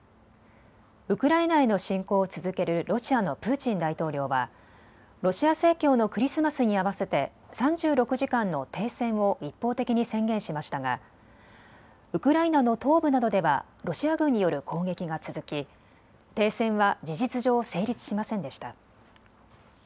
ウクライナへの侵攻を続けるロシアのプーチン大統領はロシア正教のクリスマスに合わせて３６時間の停戦を一方的に宣言しましたがウクライナの東部などではロシア軍による攻撃が続き停戦は事実上、成立しませんでした。